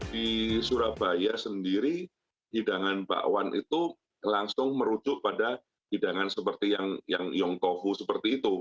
di surabaya sendiri hidangan bakwan itu langsung merujuk pada hidangan seperti yang yong tofu seperti itu